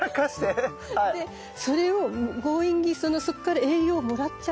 でそれを強引にそっから栄養をもらっちゃうの。